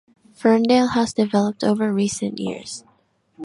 Ferndale has developed over recent years.